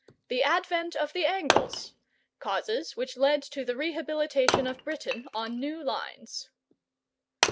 THE ADVENT OF THE ANGLES: CAUSES WHICH LED TO THE REHABILITATION OF BRITAIN ON NEW LINES.